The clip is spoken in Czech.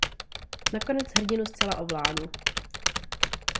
Nakonec hrdinu zcela ovládl.